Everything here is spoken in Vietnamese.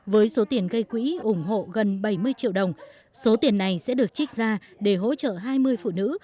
với số tiền gây quỹ ủng hộ gần bảy mươi triệu đồng số tiền này sẽ được trích ra để hỗ trợ hai mươi phụ nữ